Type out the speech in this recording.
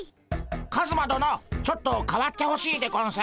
カズマどのちょっと代わってほしいでゴンス。